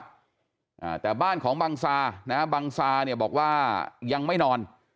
อ่าแต่บ้านของบังซานะฮะบังซาเนี่ยบอกว่ายังไม่นอน